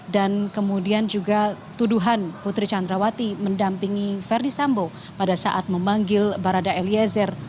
dan kemudian juga tuduhan putri chandrawati mendampingi ferdis sambu pada saat memanggil barada eliezer